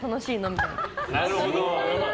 みたいな。